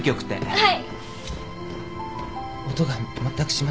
はい。